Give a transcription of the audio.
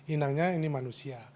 inangnya ini manusia